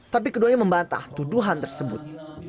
tapi keduanya membantah tuduhan tersebut